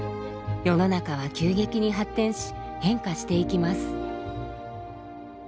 世の中は急激に発展し変化していきます。